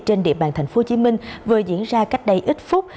trên địa bàn tp hcm vừa diễn ra cách đây ít phút